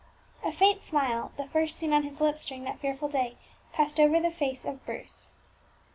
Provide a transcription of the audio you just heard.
A faint smile, the first seen on his lips during that fearful day, passed over the face of Bruce.